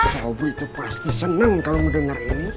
saubu itu pasti senang kalau mendengar ini